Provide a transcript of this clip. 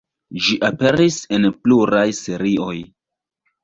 Ĝi aperis en pluraj serioj.